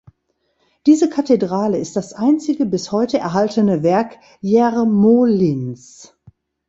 Diese Kathedrale ist das einzige bis heute erhaltene Werk Jermolins.